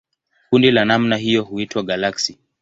Kundi la namna hiyo huitwa galaksi.